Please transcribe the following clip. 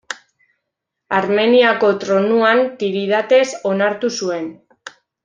Armeniako tronuan Tiridates onartu zuen.